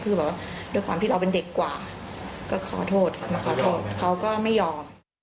คือแบบว่าด้วยความที่เราเป็นเด็กกว่าก็ขอโทษมาขอโทษเขาก็ไม่ยอม